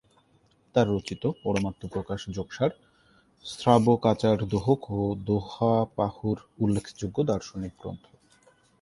তাঁর রচিত পরমাত্মপ্রকাশ, যোগসার, শ্রাবকাচারদোহক ও দোহাপাহুড় উল্লেখযোগ্য দার্শনিক গ্রন্থ।